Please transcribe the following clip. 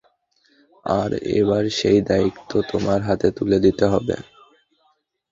আর এবার সেই দায়িত্ব তোমার হাতে তুলে দিতে হবে।